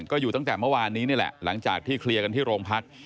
ก็อยู่ตั้งแต่เมื่อวานนี้นี่แหละหลังจากที่เคลียร์กันที่โรงพัก